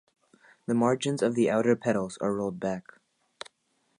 The margins of the outer petals are rolled back.